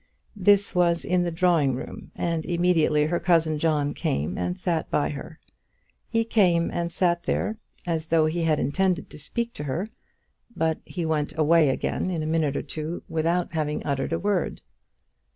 This was in the drawing room, and immediately her cousin John came and sat by her. He came and sat there, as though he had intended to speak to her; but he went away again in a minute or two without having uttered a word.